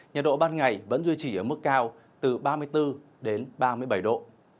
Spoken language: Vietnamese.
nhiệt độ ban ngày vẫn duy trì ở mức cao từ ba mươi bốn đến ba mươi bảy độ